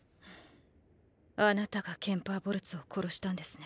あなたがケンパー・ボルツを殺したんですね。